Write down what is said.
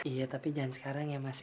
iya tapi jangan sekarang ya masih